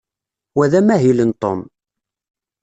Wa d amahil n Tom.